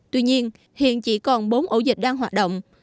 tuy nhiên hiện chỉ còn bốn ổ dịch đang hoạt động